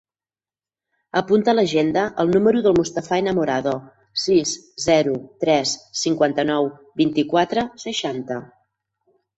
Apunta a l'agenda el número del Mustafa Enamorado: sis, zero, tres, cinquanta-nou, vint-i-quatre, seixanta.